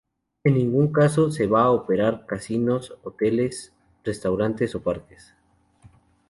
En ningún caso se va a operar casinos, hoteles, restaurantes o parques.